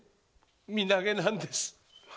“身投げ”なんです。